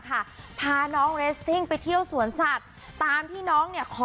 พาน้องเรสซิ่งไปเที่ยวสวนสัตว์ตามที่น้องเนี่ยขอ